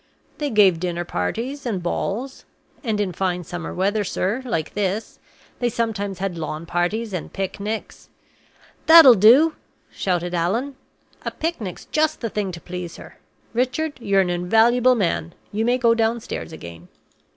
"They gave dinner parties and balls. And in fine summer weather, sir, like this, they sometimes had lawn parties and picnics " "That'll do!" shouted Allan. "A picnic's just the thing to please her. Richard, you're an invaluable man; you may go downstairs again."